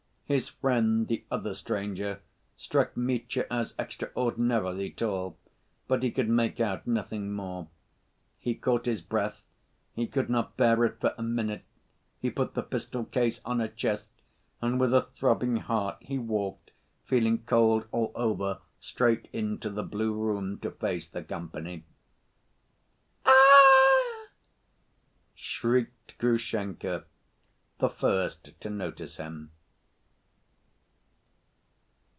His friend, the other stranger, struck Mitya as extraordinarily tall, but he could make out nothing more. He caught his breath. He could not bear it for a minute, he put the pistol‐ case on a chest, and with a throbbing heart he walked, feeling cold all over, straight into the blue room to face the company. "Aie!" shrieked Grushenka, the first to notice him.